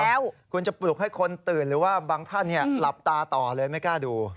แล้วคุณจะปลุกให้คนตื่นหรือว่าบางท่านหลับตาต่อเลยไม่กล้าดู